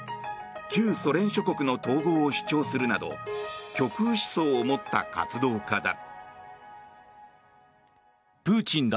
旧ソ連諸国の統合を主張するなど極右思想を持った活動家だ。